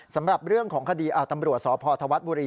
สำหรับเรื่องของคดีตำรวจสพธวัฒน์บุรี